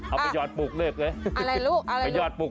เอาไปยอดปลูกเลิกเลยอะไรลูกอะไรลูก